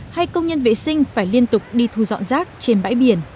hay công nhân vệ sinh phải liên tục đi thu dọn rác trên bãi biển